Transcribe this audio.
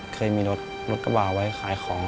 เคยมีรถกระบะไว้ขายของ